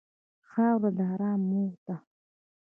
خاوره د ارام مور ده.